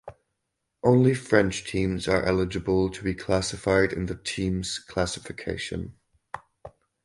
Only French teams are eligible to be classified in the teams classification.